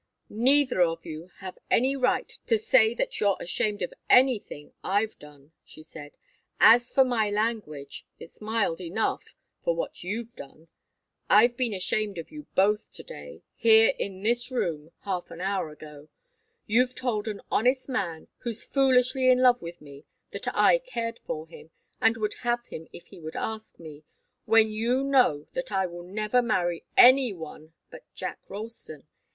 "Neither of you have any right to say that you're ashamed of anything I've done," she said. "As for my language, it's mild enough for what you've done. I've been ashamed of you both to day here, in this room, half an hour ago. You've told an honest man who's foolishly in love with me that I cared for him, and would have him if he would ask me, when you know that I will never marry any one but Jack Ralston.